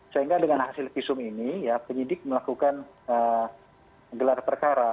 sehingga dengan hasil visum ini ya penyidik melakukan gelar perkara